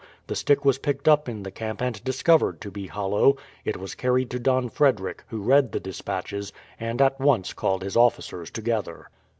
The stick was picked up in the camp and discovered to be hollow. It was carried to Don Frederick, who read the despatches, and at once called his officers together.